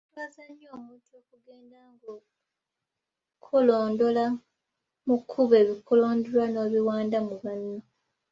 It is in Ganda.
Kiswaza nnyo omuntu okugenda ng’okolondola mu kkubo ebikolondolwa n’obiwanda mu banno.